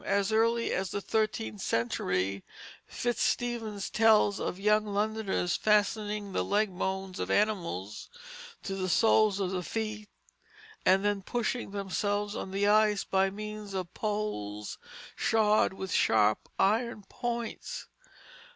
As early as the thirteenth century Fitzstephen tells of young Londoners fastening the leg bones of animals to the soles of the feet, and then pushing themselves on the ice by means of poles shod with sharp iron points.